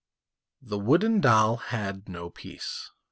The wooden doll had no peace.